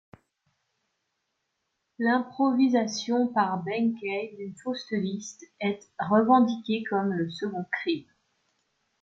L'improvisation par Benkei d'une fausse liste est revendiquée comme le second crime.